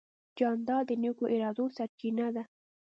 جانداد د نیکو ارادو سرچینه ده.